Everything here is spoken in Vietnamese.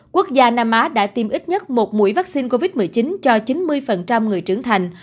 quốc gia nam á đã tiêm ít nhất một mũi vaccine covid một mươi chín cho chín mươi người trưởng thành